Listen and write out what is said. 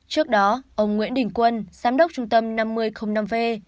trước đó ông nguyễn đình quân giám đốc trung tâm năm nghìn năm v